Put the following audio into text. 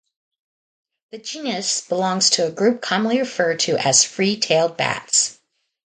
The genus belongs to a group commonly referred to as free-tailed bats.